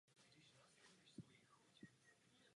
V současné době je hrad užíván jako středověké muzeum a úřad.